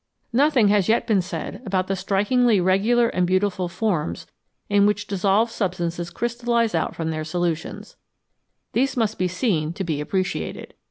Nothing has as yet been said about the strikingly regular and beautiful forms in which dissolved substances crystallise out from their solutions. These must be seen to be appreciated.